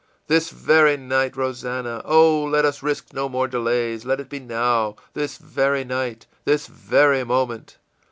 î ìThis very night, Rosannah! Oh, let us risk no more delays. Let it be now! this very night, this very moment!